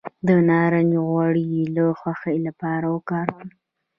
د نارنج غوړي د خوښۍ لپاره وکاروئ